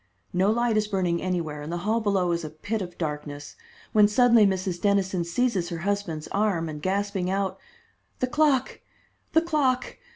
No light is burning anywhere, and the hall below is a pit of darkness, when suddenly Mrs. Dennison seizes her husband's arm and, gasping out, "The clock, the clock!"